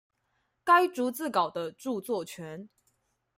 該逐字稿的著作權